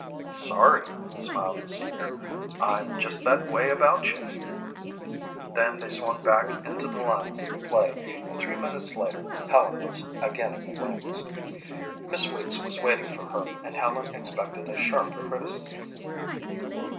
"Sorry," smiled the senior. "I'm just that way about you." Then they swung back into the lines of the play and three minutes later Helen was again in the wings. Miss Weeks was waiting for her and Helen expected a sharp criticism.